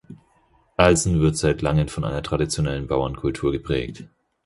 Alsen wird seit langem von einer traditionellen Bauernkultur geprägt.